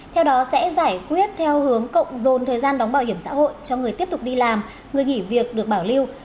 theo đó sẽ giải quyết theo hướng cộng dồn thời gian đóng bảo hiểm xã hội cho người tiếp tục đi làm người nghỉ việc được bảo lưu